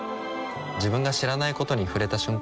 自分が知らないことに触れた瞬間